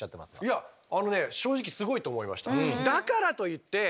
いやあのね正直すごいと思いました。